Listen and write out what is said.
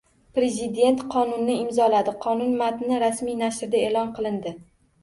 Prezident qonunni imzoladi, qonun matni rasmiy nashrlarda eʼlon qilindi.